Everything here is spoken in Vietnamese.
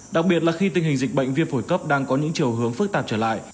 đặc biệt là khi tình hình dịch bệnh viêm phổi cấp đang có những chiều hướng phức tạp trở lại